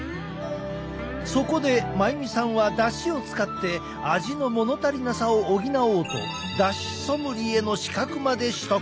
そこで真由美さんはだしを使って味のものたりなさを補おうとだしソムリエの資格まで取得。